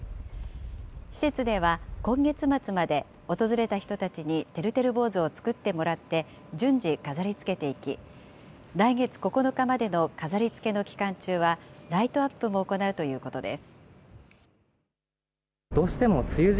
施設では今月末まで、訪れた人たちにてるてる坊主を作ってもらって順次、飾りつけていき、来月９日までの飾りつけの期間中は、ライトアップも行うということです。